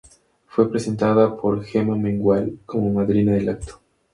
Fue presentada por Gemma Mengual como madrina del acto.